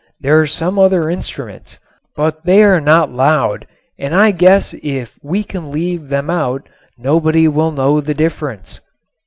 There are some other instruments, but they are not loud and I guess if we can leave them out nobody will know the difference."